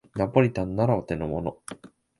ナポリタンならお手のもの